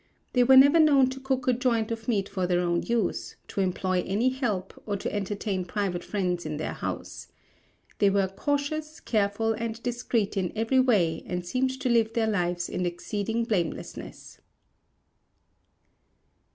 They were never known to cook a joint of meat for their own use, to employ any help, or to entertain private friends in their house. They were cautious, careful, and discreet in every way and seemed to live their lives in exceeding blamelessness.